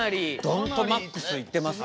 ドンとマックスいってますね。